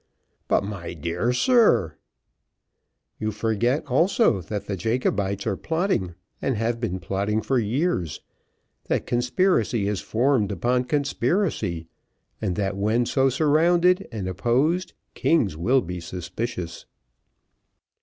"But, my dear sir, " "You forget also, that the Jacobites are plotting, and have been plotting for years; that conspiracy is formed upon conspiracy, and that when so surrounded and opposed, kings will be suspicious."